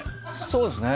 そうですね。